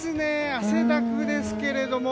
汗だくですけれども。